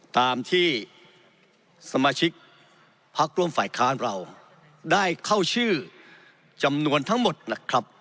ตามที่สมาชิกพักร่วมฝ่ายค้านเราได้เข้าชื่อจำนวนทั้งหมดนะครับ